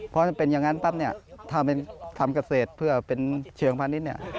เพราะฉะนั้นถ้าทำเกษตรเพื่อเป็นเชียงพันธุ์นี้